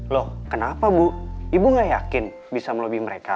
loh kenapa bu ibu gak yakin bisa melobi mereka